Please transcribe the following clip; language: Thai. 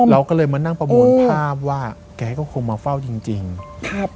เราก็เลยมานั่งประมวลภาพว่าแกก็คงมาเฝ้าจริงจริงครับ